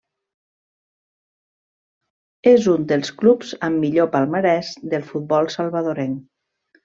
És un dels clubs amb millor palmarès del futbol salvadorenc.